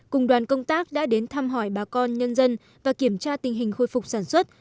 cùng đoàn công tác đã đến thăm hỏi bà con nhân dân và kiểm tra tình hình khôi phục sản xuất